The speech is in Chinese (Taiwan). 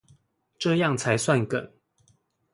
這樣才算梗